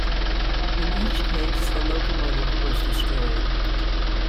In each case the locomotive was destroyed.